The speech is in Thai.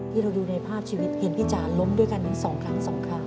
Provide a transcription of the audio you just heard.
ที่เราดูในภาพชีวิตพี่จ๋าลงด้วยกันอย่างสองครั้งสองข้าง